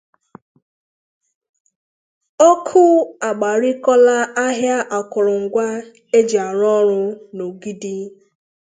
Ọkụ Agbarikọọla Ahịa Akụrụngwa E Ji Arụ Ụlọ n'Ogidi